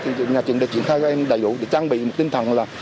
thì nhà trường đã triển khai các em đầy đủ để trang bị một tinh thần là